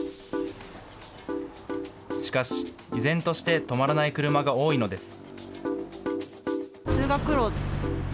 しかし依然として止まらない車が多いのです。